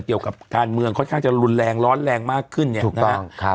เกี่ยวกับการเมืองค่อนข้างจะรุนแรงร้อนแรงมากขึ้นเนี่ยถูกนะครับ